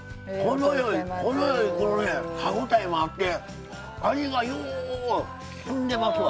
程よい程よいこのね歯応えもあって味がようしゅんでますわ。